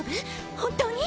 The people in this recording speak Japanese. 本当に？